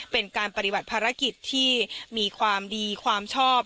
เป็นการปฏิบัติภารกิจที่มีความดีความชอบ